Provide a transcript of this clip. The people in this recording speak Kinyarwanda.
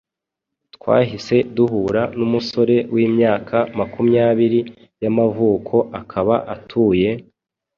Twahise duhura n’umusore w’ imyaka makumyabiri y’amavuko akaba atuye